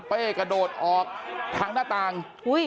กระโดดออกทางหน้าต่าง